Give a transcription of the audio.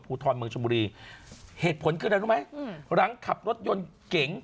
ทรเมืองชมบุรีเหตุผลคืออะไรรู้ไหมอืมหลังขับรถยนต์เก๋ง